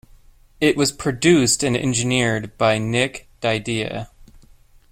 It was produced and engineered by Nick Didia.